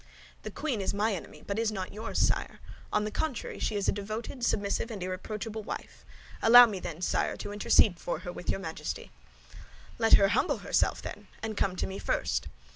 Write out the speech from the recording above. "The queen is my enemy, but is not yours, sire; on the contrary, she is a devoted, submissive, and irreproachable wife. Allow me, then, sire, to intercede for her with your Majesty." "Let her humble herself, then, and come to me first."